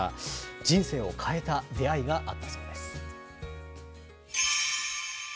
人生を変えた出会いがあったそうです。